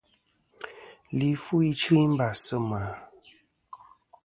Li fu ichɨ i mbàs sɨ mà.